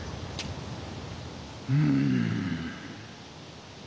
うん。